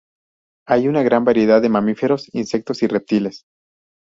Hay una gran variedad de mamíferos, insectos y reptiles.